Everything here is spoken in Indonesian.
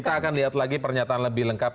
kita akan lihat lagi pernyataan lebih lengkap